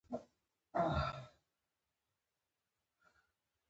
دروغ د ټولنې زوال دی.